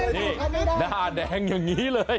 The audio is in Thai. นี่หน้าแดงอย่างนี้เลย